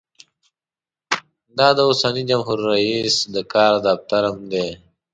دا د اوسني جمهور رییس د کار دفتر هم دی.